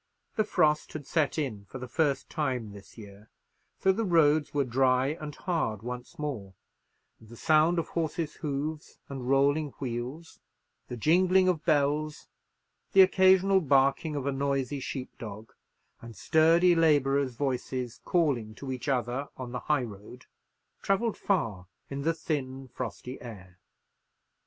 The frost had set in for the first time this year; so the roads were dry and hard once more, and the sound of horses' hoofs and rolling wheels, the jingling of bells, the occasional barking of a noisy sheep dog, and sturdy labourers' voices calling to each other on the high road, travelled far in the thin frosty air.